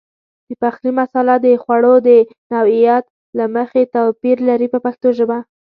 د پخلي مساله د خوړو د نوعیت له مخې توپیر لري په پښتو ژبه.